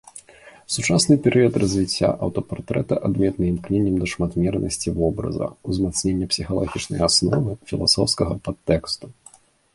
Сучасны перыяд развіцця аўтапартрэта адметны імкненнем да шматмернасці вобраза, узмацнення псіхалагічнай асновы, філасофскага падтэксту.